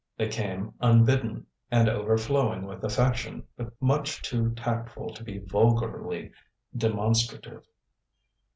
They came unbidden, and overflowing with affection, but much too tactful to be vulgarly demonstrative.